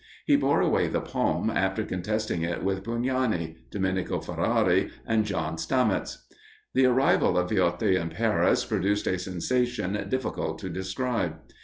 He bore away the palm after contesting it with Pugnani, Domenico Ferrari, and John Stamitz. The arrival of Viotti in Paris produced a sensation difficult to describe.